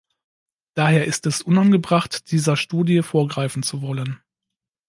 Daher ist es unangebracht, dieser Studie vorgreifen zu wollen.